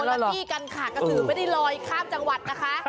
ละที่กันค่ะกระสือไม่ได้ลอยข้ามจังหวัดนะคะ